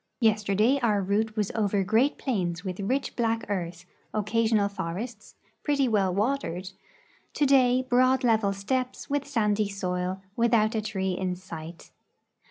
"Yesterday our route was over great plains with rich black earth, occasional forests, i)retty well watered; today, broad level stej^pes with sandy soil, without a tree in sight.